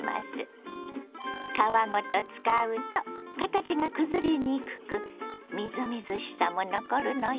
皮ごと使うと形がくずれにくくみずみずしさも残るのよ。